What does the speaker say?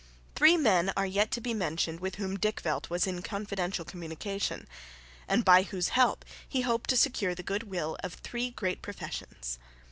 Three men are yet to be mentioned with whom Dykvelt was in confidential communication, and by whose help he hoped to secure the good will of three great professions.